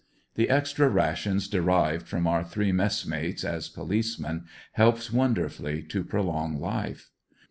The extra rations derived from our three mess mates as policemen, helps wonderfully to prolong life.